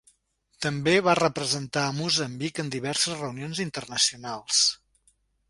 També va representar a Moçambic en diverses reunions internacionals.